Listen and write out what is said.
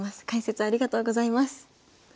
解説ありがとうございます。